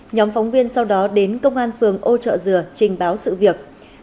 nhóm phóng viên sau đó đến công an phường âu trợ dừa trình báo sự việc